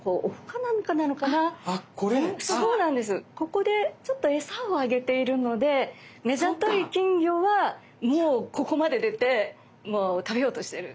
ここでちょっと餌をあげているので目ざとい金魚はもうここまで出て食べようとしている。